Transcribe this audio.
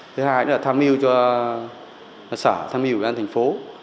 thứ hai là tham mưu cho sở tham mưu cho an thành phố